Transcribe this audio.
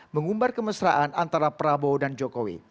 mengumbar kemesraan antara prabowo dan jokowi